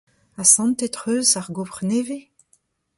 Asantet 'c'h eus ar gopr nevez ?